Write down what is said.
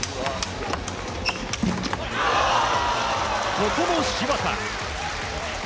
ここも芝田。